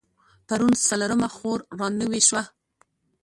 پرون څلرمه خور رانوې شوه.